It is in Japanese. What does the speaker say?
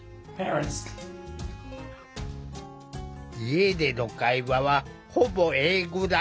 家での会話はほぼ英語だ。